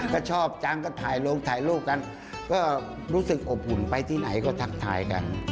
ก็ชอบจังก็ถ่ายลงถ่ายรูปกันก็รู้สึกอบอุ่นไปที่ไหนก็ทักทายกัน